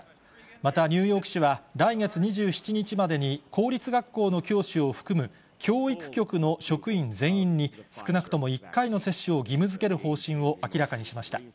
また、ニューヨーク市は来月２７日までに、公立学校の教師を含む教育局の職員全員に、少なくとも１回の接種を義務づける方針を明らかにしました。